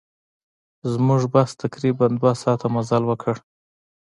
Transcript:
زموږ بس تقریباً دوه ساعته مزل وکړ.